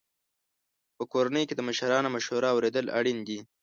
په کورنۍ کې د مشرانو مشوره اورېدل اړین دي.